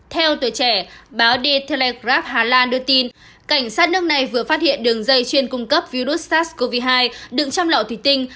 theo tuổi trẻ báo detlegrab hà lan đưa tin cảnh sát nước này vừa phát hiện đường dây chuyên cung cấp virus sars cov hai đựng trong lọ thủy tinh